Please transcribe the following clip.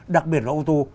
đặc biệt là ô tô